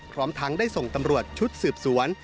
พร้อมทั้งได้ส่งตำรวจชุดสืบสวน